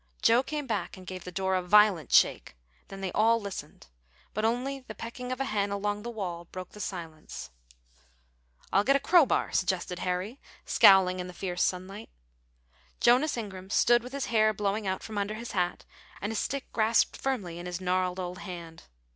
Joe came back and gave the door a violent shake; then they all listened, but only the pecking of a hen along the walk broke the silence. "I'll get a crowbar," suggested Harry, scowling in the fierce sunlight. Jonas Ingram stood with his hair blowing out from under his hat and his stick grasped firmly in his gnarled old hand.